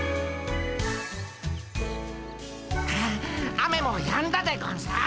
雨もやんだでゴンス。